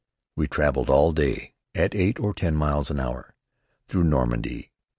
We traveled all day, at eight or ten miles an hour, through Normandy.